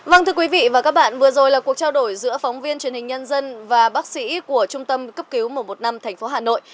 vâng thưa quý vị và các bạn vừa rồi là cuộc trao đổi giữa phóng viên truyền hình nhân dân và bác sĩ của trung tâm cấp cứu một trăm một mươi năm tp hà nội